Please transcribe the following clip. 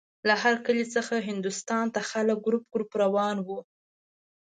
له هر کلي څخه هندوستان ته خلک ګروپ ګروپ روان وو.